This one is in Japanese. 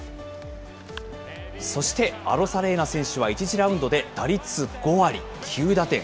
そしてアロサレーナ選手は１次ラウンドで打率５割、９打点。